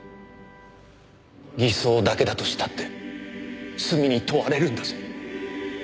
偽装だけだとしたって罪に問われるんだぞ。